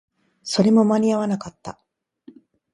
それも間に合わなかった